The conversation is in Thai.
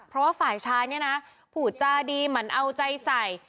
เพราะว่าฝ่ายชายเนี่ยนะผูดจาดีมันเอาใจใส่